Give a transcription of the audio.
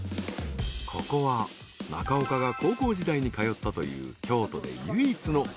［ここは中岡が高校時代に通ったという京都で唯一の］